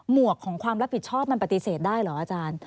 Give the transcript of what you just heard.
หวกของความรับผิดชอบมันปฏิเสธได้เหรออาจารย์